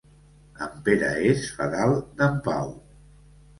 En Pere és fedal d'en Pau.